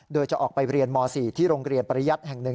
โดยจะออกไปเรียนม๔ที่โรงเรียนปริยัติแห่ง๑